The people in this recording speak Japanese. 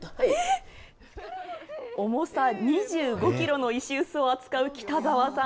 重さ２５キロの石臼を扱う北澤さん。